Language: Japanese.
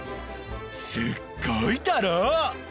すっごいだろ！